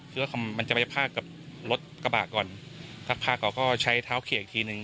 คือว่ามันจะไปพากกับรถกระบะก่อนสักพักเขาก็ใช้เท้าเขียอีกทีหนึ่ง